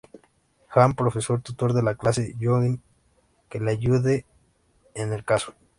Han, profesor tutor de la clase Yoo-Jin, que le ayude en el caso.